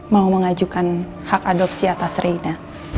mau mengajukan hak adopsi atas rina